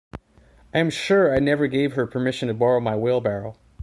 I am sure I never gave her permission to borrow my wheelbarrow!